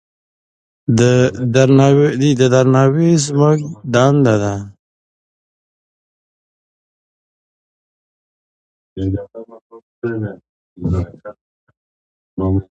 د ده درناوی زموږ دنده ده.